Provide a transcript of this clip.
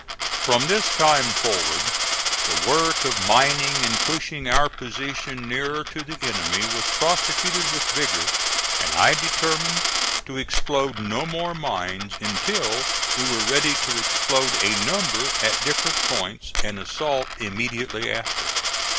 From this time forward the work of mining and pushing our position nearer to the enemy was prosecuted with vigor, and I determined to explode no more mines until we were ready to explode a number at different points and assault immediately after.